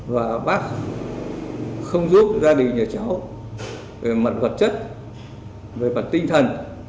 và bác không giúp gia đình nhà cháu về mặt vật chất về mặt tinh thần